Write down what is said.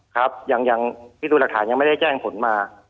ครับยังพิสูจน์หลักฐานยังไม่ได้แจ้งผลมา